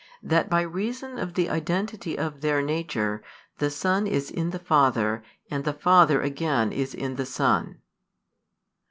That by reason of the identity of Their nature, the Son is in the Father, and the Father again is in the Son.